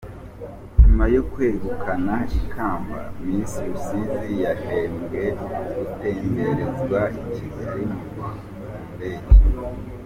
Nyuma yo kwegukana ikamba Miss Rusizi yahembwe gutemberezwa i Kigali mu ndege.